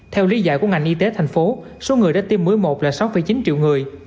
theo lý giải của ngành y tế thành phố số người đã tiêm mưới một là sáu chín triệu người